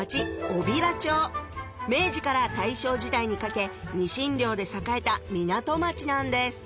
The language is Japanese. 小平町明治から大正時代にかけニシン漁で栄えた港町なんです